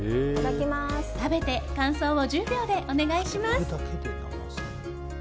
食べて、感想を１０秒でお願いします。